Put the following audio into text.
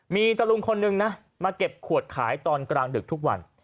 มีตะลุงคนนึงนะมาเก็บขวดขายตอนกลางดึกทุกวัน